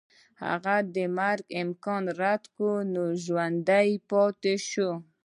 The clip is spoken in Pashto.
هغه د مرګ امکان رد کړ نو ژوندی پاتې شو.